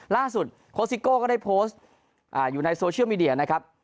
โค้ซิโก้ก็ได้โพสต์อยู่ในโซเชียลมีเดียนะครับ